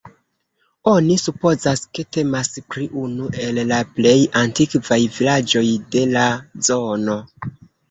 Oni supozas, ke temas pri unu de la plej antikvaj vilaĝoj de la zono.